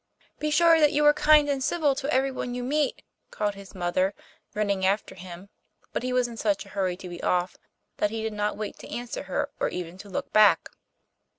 'Be sure that you are kind and civil to everyone you meet,' called his mother, running after him; but he was in such a hurry to be off, that he did not wait to answer her, or even to look back.